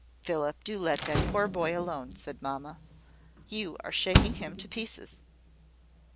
"Philip, do let that poor boy alone," said mamma. "You are shaking him to pieces."